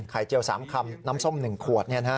เจียว๓คำน้ำส้ม๑ขวด